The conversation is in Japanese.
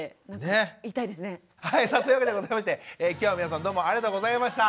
はいそういうわけでございまして今日は皆さんどうもありがとうございました。